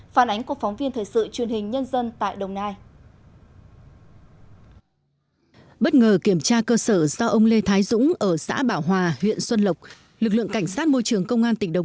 phản ánh của phóng viên thời sự truyền hình nhân dân tại đồng nai